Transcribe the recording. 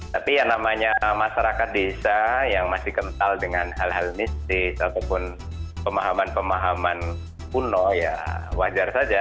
tapi yang namanya masyarakat desa yang masih kental dengan hal hal mistis ataupun pemahaman pemahaman kuno ya wajar saja